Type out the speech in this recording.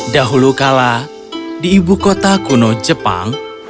dahulu kala di ibu kota kuno jepang